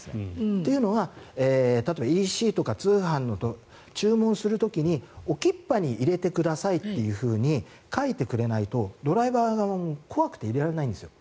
というのはＥＣとか通販で注文する時にＯＫＩＰＰＡに入れてくださいって書いてくれないとドライバー側も怖くて入れられないんですよ。